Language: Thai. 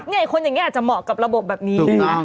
เนี่ยคนอย่างนี้อาจจะเหมาะกับระบบแบบนี้